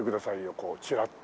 こうチラッと。